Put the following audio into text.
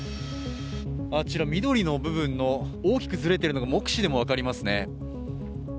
あちら緑の部分の大きくずれているのが目視でも分かりますね。